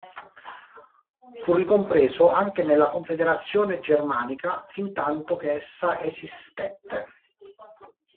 Fu ricompreso anche nella Confederazione Germanica fintanto che essa esistette.